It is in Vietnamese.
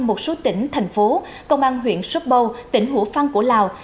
một số tỉnh thành phố công an huyện sốt bâu tỉnh hữu phan của lào